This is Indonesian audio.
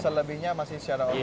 selebihnya masih secara online